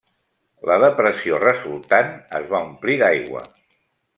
La depressió resultant es va omplir d'aigua.